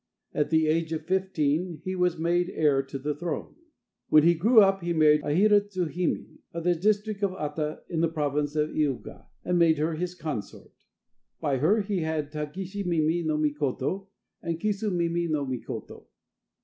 At the age of fifteen he was made heir to the throne. When he grew up he married Ahira tsu hime, of the district of Ata in the province of Hiuga, and made her his consort. By her he had Tagishi mimi no Mikoto and Kisu mimi no Mikoto.